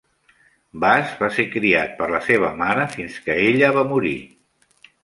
Bass va ser criat per la seva mare fins que ella va morir.